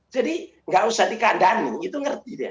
jadi tidak usah dikandali itu mengerti dia